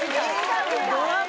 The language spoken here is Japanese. ドラマ。